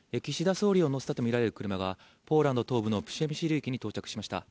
総理を乗せたとみられる車がポーランド東部のプシェミシル駅に到着しました。